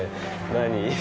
何？